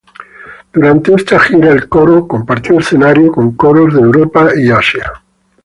Durante esta gira el coro compartió escenario con coros de Europa y Asia.